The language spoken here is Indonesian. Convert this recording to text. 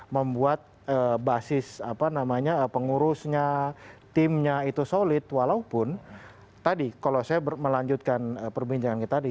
membuat basis apa namanya pengurusnya timnya itu solid walaupun tadi kalau saya melanjutkan perbincangannya tadi